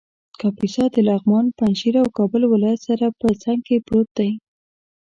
کاپیسا د لغمان ، پنجشېر او کابل ولایت سره په څنګ کې پروت دی